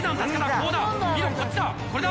こっちだ！